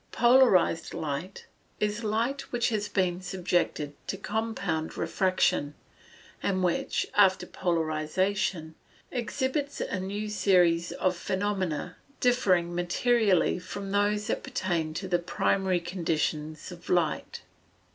_ Polarized light is light which has been subjected to compound refraction, and which, after polarization, exhibits a new series of phenomena, differing materially from those that pertain to the primary conditions of light.